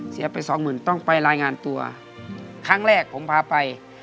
ไปสองหมื่นต้องไปรายงานตัวครั้งแรกผมพาไป